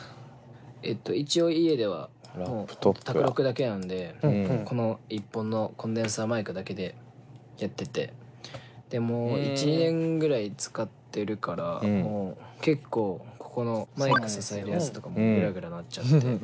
一応家では宅録だけなんでこの１本のコンデンサーマイクだけでやっててもう１２年ぐらい使ってるからもう結構ここのマイク支えるやつとかもグラグラなっちゃって。